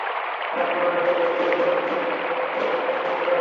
রাত পৌনে নয়টার দিকে কয়েকজন তরুণ ভারী ব্যাগে অস্ত্রশস্ত্রসহ রেস্তোরাঁয় ঢুকে পড়েন।